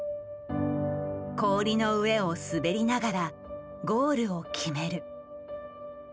氷の上を滑りながらゴールを決める。